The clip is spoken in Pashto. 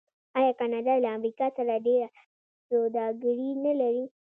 آیا کاناډا له امریکا سره ډیره سوداګري نلري؟